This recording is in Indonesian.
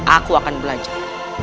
aku akan belajar